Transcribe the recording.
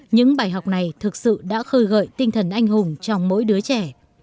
những bài học này thực sự đã khơi gợi tinh thần anh hùng trong mỗi đứa trẻ